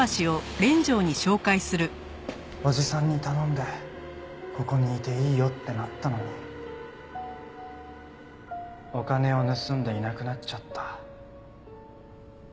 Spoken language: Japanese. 叔父さんに頼んでここにいていいよってなったのにお金を盗んでいなくなっちゃった。